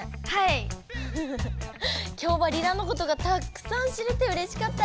今日はリラのことがたくさん知れてうれしかったよ！